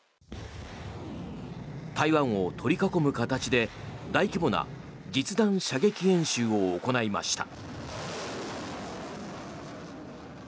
台湾を取り囲む形で大規模な実弾射撃演習を行いました。